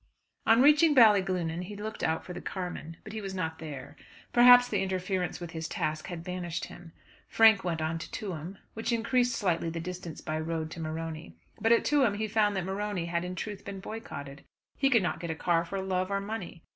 On reaching Ballyglunin he looked out for the carman, but he was not there. Perhaps the interference with his task had banished him. Frank went on to Tuam, which increased slightly the distance by road to Morony. But at Tuam he found that Morony had in truth been boycotted. He could not get a car for love or money.